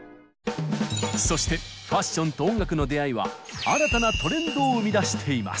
そしてファッションと音楽の出会いは新たなトレンドを生み出しています。